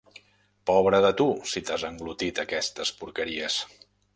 Pobre de tu, si t'has englotit aquestes porqueries.